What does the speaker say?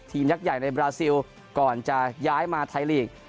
ยักษ์ใหญ่ในบราซิลก่อนจะย้ายมาไทยลีก